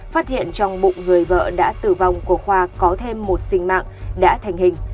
phát hiện trong bụng người vợ đã tử vong của khoa có thêm một sinh mạng đã thành hình